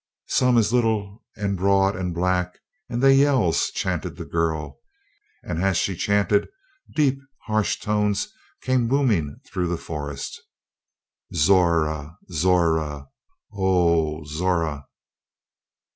"Some is little and broad and black, and they yells " chanted the girl. And as she chanted, deep, harsh tones came booming through the forest: "Zo ra! Zo ra! O o oh, Zora!"